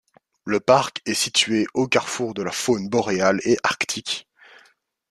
Le parc est située au carrefour de la faune boréale et arctique.